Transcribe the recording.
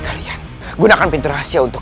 kalian gunakan pintu rahasia untuk